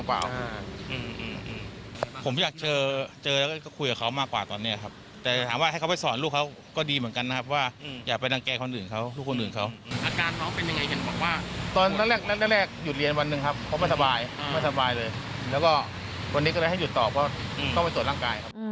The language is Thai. แล้วก็วันนี้ก็เลยให้หยุดต่อก็ต้องไปตรวจร่างกายครับ